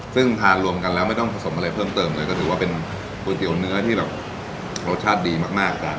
ซึ่งทานรวมกันแล้วไม่ต้องผสมอะไรเพิ่มเติมเลยก็ถือว่าเป็นก๋วยเตี๋ยวเนื้อที่แบบรสชาติดีมากจ้ะ